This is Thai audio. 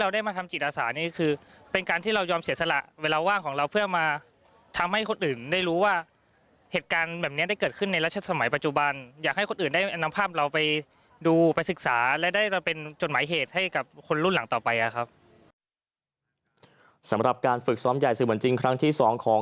สำหรับการฝึกซ้อมใหญ่สื่อเหมือนจริงครั้งที่สองของ